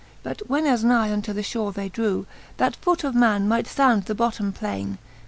But when as nigh unto the fhore they drew, That foot of man might found the bottome plaine.